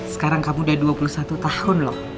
sekarang kamu udah dua puluh satu tahun loh